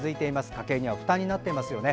家計には負担になっていますよね。